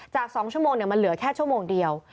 ๒ชั่วโมงมันเหลือแค่ชั่วโมงเดียว